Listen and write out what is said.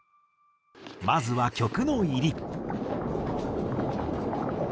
まずは曲の入り。